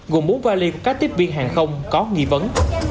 gồm mũ vali của các tiếp viên hàng không có nghi vấn